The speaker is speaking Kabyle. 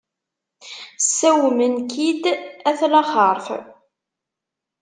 Sawmen-k-id at laxeṛt.